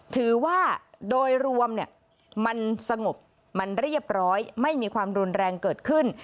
ถือว่าโดยรวมมันสงบมันเรียบร้อยไม่มีความรุนแรงเกิดขึ้น